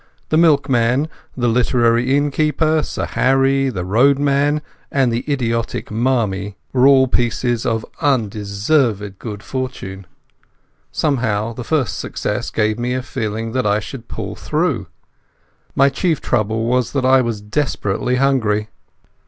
The milkman, the literary innkeeper, Sir Harry, the roadman, and the idiotic Marmie, were all pieces of undeserved good fortune. Somehow the first success gave me a feeling that I was going to pull the thing through. My chief trouble was that I was desperately hungry.